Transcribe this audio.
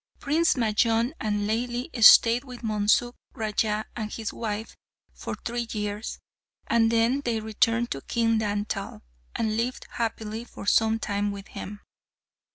Prince Majnun and Laili stayed with Munsuk Raja and his wife for three years, and then they returned to King Dantal, and lived happily for some time with him.